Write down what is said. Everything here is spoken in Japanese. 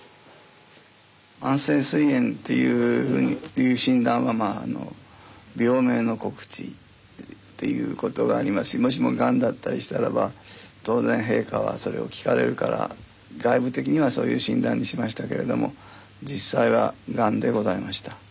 慢性すい炎っていう診断はまああの病名の告知っていうことがありますしもしもガンだったりしたらば当然陛下はそれを聞かれるから外部的にはそういう診断にしましたけれども実際はガンでございました。